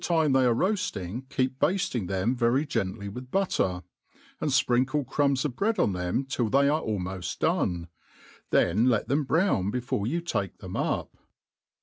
time they are roafting Iceep bafting them very gehtly withr biitter, and fprinkle cwmbs of bread on them till they are almoft done \ then let them brown ' before you take them up.